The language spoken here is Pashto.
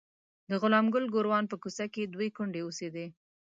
د غلام ګل ګوروان په کوڅه کې دوې کونډې اوسېدې.